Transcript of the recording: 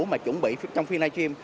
mà chuẩn bị trong phiên livestream